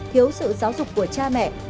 thiếu sự giáo dục của cha mẹ